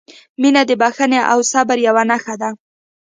• مینه د بښنې او صبر یوه نښه ده.